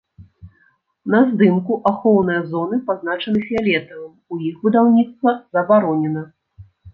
На здымку ахоўныя зоны пазначаны фіялетавым, у іх будаўніцтва забаронена.